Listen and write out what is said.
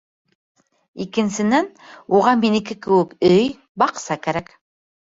Икенсенән, уға минеке кеүек өй, баҡса кәрәк.